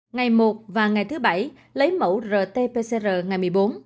ngày một và ngày thứ bảy lấy mẫu rt pcr ngày một mươi bốn